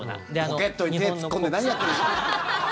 ポケットに手突っ込んで何やってんですか！